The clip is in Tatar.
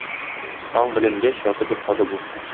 Таң беленгәч, ятып йоклады бу.